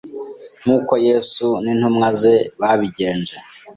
nk’uko Yesu n’intumwa ze babigenje.